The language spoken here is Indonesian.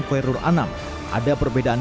koirur anam ada perbedaan